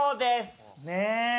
ねえ。